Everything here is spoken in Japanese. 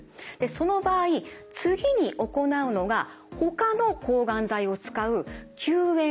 その場合次に行うのがほかの抗がん剤を使う救援